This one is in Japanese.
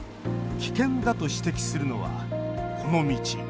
危険だと指摘するのは、この道。